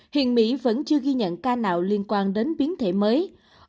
hiện mỹ vẫn chưa ghi nhận ca nào liên quan đến biến thể mới